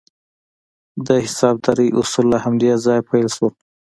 د حسابدارۍ اصول له همدې ځایه پیل شول.